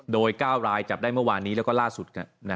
โดย๙รายจับได้เมื่อวานนี้แล้วก็ล่าสุด